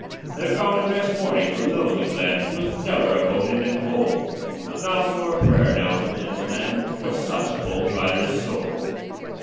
They found him next morning below in the glen, With never a bone in him whole A mass or a prayer, now, good gentlemen, For such a bold rider's soul.